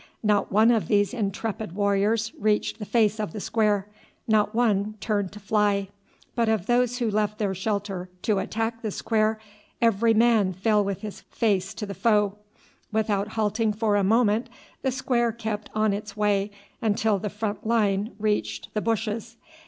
Not one of these intrepid warriors reached the face of the square, not one turned to fly; but of those who left their shelter to attack the square, every man fell with his face to the foe. Without halting for a moment the square kept on its way until the front line reached the bushes.